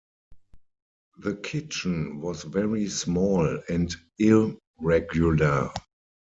The kitchen was very small and irregular.